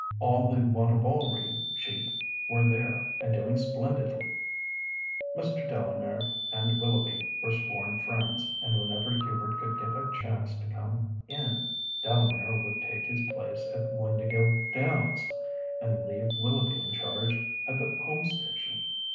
All the Wantabalree sheep were there, and doing splendidly. Mr. Delamere and Willoughby were sworn friends, and whenever Hubert could get a chance to "come in" Delamere would take his place at Windāhgil Downs, and leave Willoughby in charge at the home station.